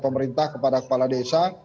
pemerintah kepada kepala desa